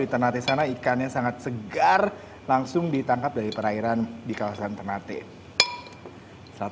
ternate sana ikannya sangat segar langsung ditangkap dari perairan di kawasan ternate saat